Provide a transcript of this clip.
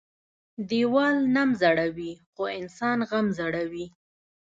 ـ ديوال نم زړوى خو انسان غم زړوى.